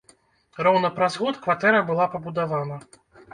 Роўна праз год кватэра была пабудавана.